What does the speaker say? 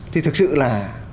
thì thực sự là